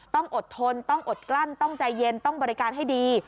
ต้องอดทนต้องอดกลั้นต้องใจเย็นต้องบริการให้ดี